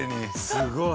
すごい。